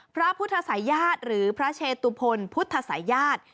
พระพุทธศาสหรือพระเชตุพลพุทธศาส